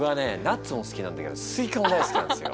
ナッツも好きなんだけどスイカも大好きなんですよ。